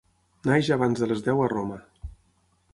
Naix abans de les deu a Roma.